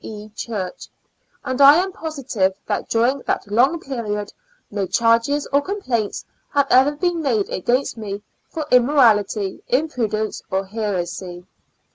E. Church; and I am positive that during that long period no charges or complaints have ever been made against me for immorality, imprudence, or heresy.